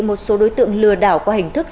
một số đối tượng lừa đảo qua hình thức